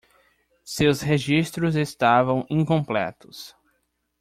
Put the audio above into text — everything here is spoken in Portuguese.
Seus registros estavam incompletos.